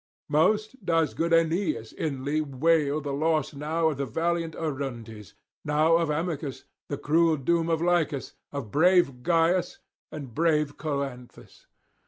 Most does good Aeneas inly wail the loss now of valiant Orontes, now of Amycus, the cruel doom of Lycus, of brave Gyas, and brave Cloanthus.